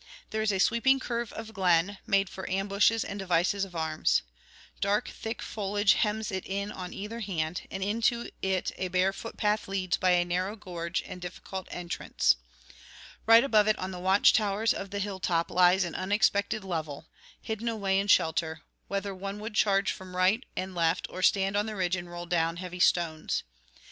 There is a sweeping curve of glen, made for ambushes and devices of arms. Dark thick foliage hems it in on either hand, and into it a bare footpath leads by a narrow gorge and difficult entrance. Right above it on the watch towers of the hill top lies an unexpected level, hidden away in shelter, whether one would charge from right and left or stand on the ridge and roll down heavy stones.